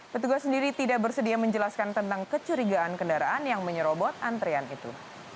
petugas sendiri tidak bersedia menjelaskan tentang kecurigaan kendaraan yang menyerobot antrian itu